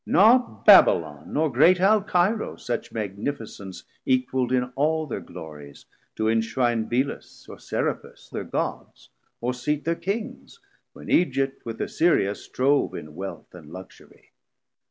Not Babilon, Nor great Alcairo such magnificence Equal'd in all thir glories, to inshrine Belus or Serapis thir Gods, or seat 720 Thir Kings, when Aegypt with Assyria strove In wealth and luxurie.